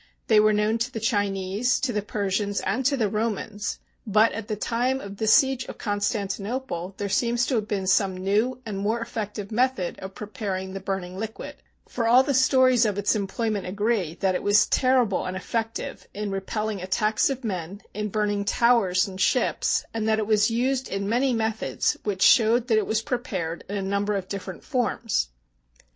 They were known to the Chinese, to the Persians, and to the Romans, but at the time of this CONSTANTINOPLE siege of Constantinople there seems to have been some new and more effective method of preparing the burning liquid, for all the stories of its employ ment agree that it was terrible and effective in re pelling attacks of men, in burning towers and ships, and that it was used in many methods which showed that it was prepared in a number of differ ent forms.